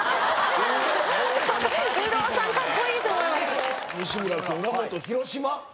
有働さんカッコいい！と思いました。